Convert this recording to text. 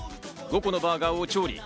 ５個のバーガーを調理。